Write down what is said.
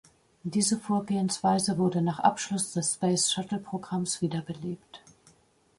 Diese Vorgehensweise wurde nach Abschluss des Space-Shuttle-Programms wiederbelebt.